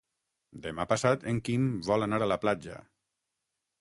Demà passat en Quim vol anar a la platja.